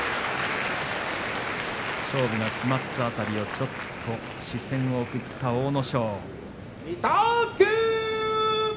勝負が決まった辺りちょっと視線を送った阿武咲。